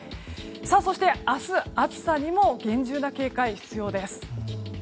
そして明日、暑さにも厳重な警戒が必要です。